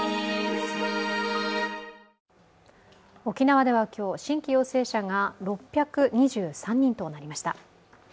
沖縄では今日、新規陽性者が６２３人となりました。